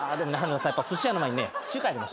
やっぱすし屋の前にね中華やりましょ。